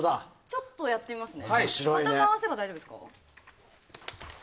ちょっとやってみますね。